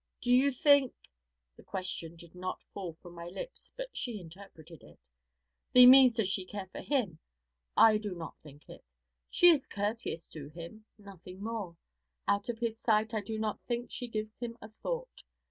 'Do you think ' The question did not fall from my lips, but she interpreted it. 'Thee means does she care for him? I do not think it. She is courteous to him, nothing more. Out of his sight I do not think she gives him a thought.